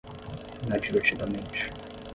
Inadvertidamente